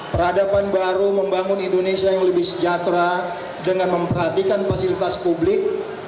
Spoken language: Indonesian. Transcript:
peradaban baru membangun indonesia yang lebih sejahtera dengan memperhatikan fasilitas publik